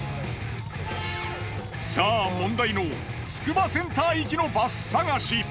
さぁ問題のつくばセンター行きのバス探し。